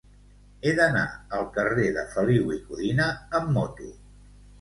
He d'anar al carrer de Feliu i Codina amb moto.